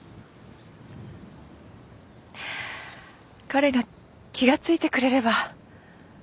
彼が気が付いてくれれば。